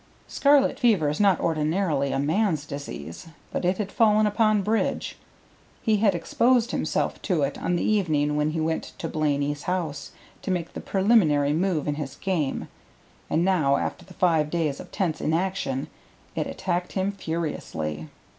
Scarlet fever is not ordinarily a man's disease, but it had fallen upon Bridge. He had exposed himself to it on the evening when he went to Blaney's house to make the preliminary move in his game; and now after the five days of tense inaction it attacked him furiously.